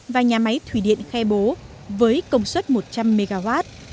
và nhà máy thủy điện khe bố với công suất một trăm linh mw